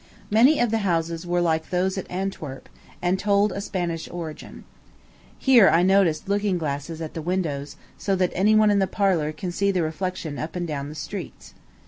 Many of the houses were like those at Antwerp, and told a Spanish origin. I here noticed looking glasses at the windows, so that any one in the parlor can see the reflection up and down the streets.